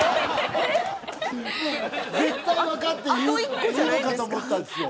絶対分かって言うのかと思ってたんですよ